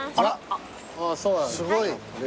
すごい。